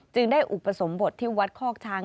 ได้อุปสมบทที่วัดคอกช้าง